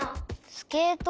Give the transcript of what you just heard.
スケート？